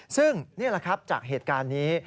ซึ่งนี่แหละครับจากเหตุการณ์นี้